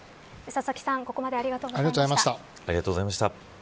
佐々木さん、ここまでありがとうございました。